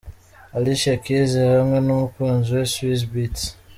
Alicia Keys hamwe n'umukuzi we Swizz Beatz.